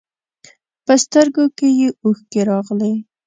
په سترګو کې یې اوښکې راغلې.